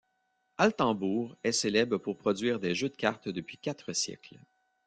Altenbourg est célèbre pour produire des jeux de cartes depuis quatre siècles.